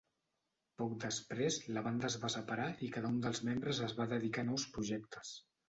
Poc després, la banda es va separar, i cada un dels membres es va dedicar a nous projectes.